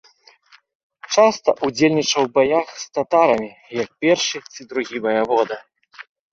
Часта ўдзельнічаў у баях з татарамі як першы ці другі ваявода.